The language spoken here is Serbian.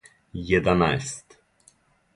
једанаест